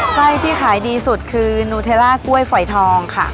ไส้ที่ขายดีสุดคือนูเทล่ากล้วยฝอยทองค่ะ